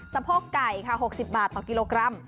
สะโพกไก่ค่ะ๖๐บาทต่อกิโลกรัม